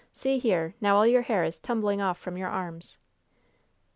"See here, now all your hair is tumbling off from your arms."